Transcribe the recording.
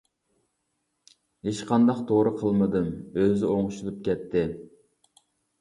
ھېچقانداق دورا قىلمىدىم، ئۆزى ئوڭشىلىپ كەتتى.